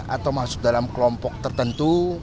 atau masuk dalam kelompok tertentu